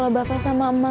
aku mau pergi sama ben